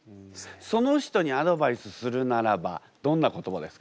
その人にアドバイスするならばどんな言葉ですか？